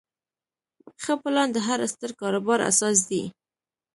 ښه پلان د هر ستر کاروبار اساس دی.